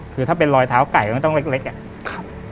คือถ้าเป็นลอยเท้าไก่ก็ไม่ต้องเล็กอะ